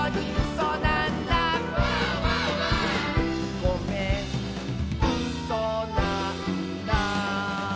「ごめんうそなんだ」